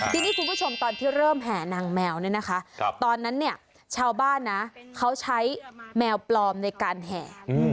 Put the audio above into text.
คุณผู้ชมตอนที่เริ่มแห่หนังแมวตอนนั้นชาวบ้านเขาใช้แมวปลอมในการแห่